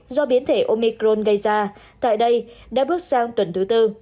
do biến thể omicron gây ra tại đây đã bước sang tuần thứ tư